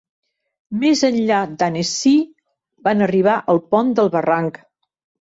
Més enllà d'Annecy, van arribar al pont del barranc.